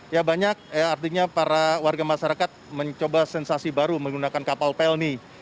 ya banyak artinya para warga masyarakat mencoba sensasi baru menggunakan kapal pelni